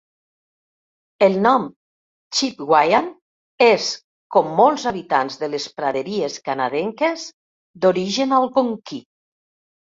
El nom "Chipewyan" és, com molts habitants de les praderies canadenques, d'origen algonquí.